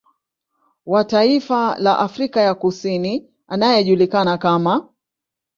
Wa taifa la Afrika ya Kusini anayejulikana kama